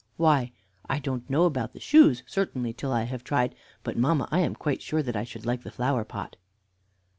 "Why, I don't know about the shoes, certainly, till I have tried; but, mamma, I am quite sure that I should like the flower pot."